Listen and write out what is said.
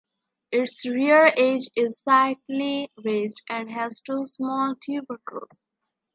Its rear edge is slightly raised and has two small tubercles.